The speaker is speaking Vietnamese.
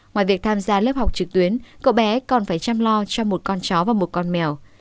ngoài việc tham gia lớp học trực tuyến cậu bé còn phải chăm lo cho một con chó và một con mèo